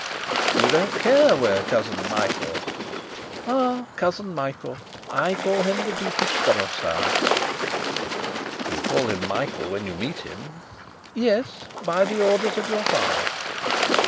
"You don't care where cousin Michael " "Ah, cousin Michael! I call him the Duke of Strelsau." "You call him Michael when you meet him?" "Yes by the orders of your father."